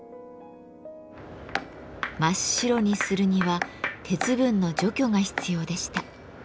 真っ白にするには鉄分の除去が必要でした。